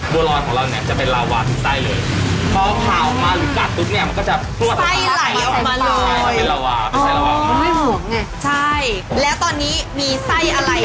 บัวลอยของเราเนี่ยจะเป็นลาวาเป็นไส้เลย